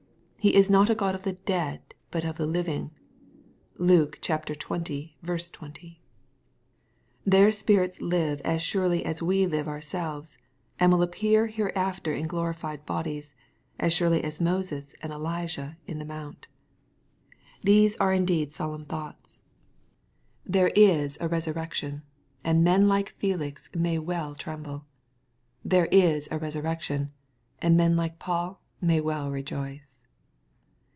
" He is not a Q^d of the dead, but of the living." (Luke xx. 20.) Their spirits live as surely as we live ourselves, and will appear hereafter in glorified bodies, as surely as Moses and Elijah Ih the mount. These are indeed solemn 208 EXPOSITORY THOUGHTS. thoughts I There is a resurrection, and men like Felix may well tremble. There is a resurrection, and men likeTaul may well rejoice.